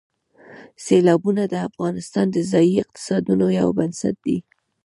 سیلابونه د افغانستان د ځایي اقتصادونو یو بنسټ دی.